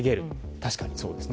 確かにそうですね。